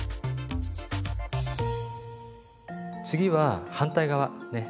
次は反対側ね。